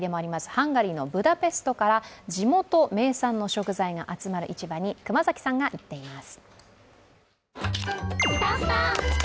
ハンガリーのブダペストから地元名産の食材が集まる市場に熊崎さんが行っています。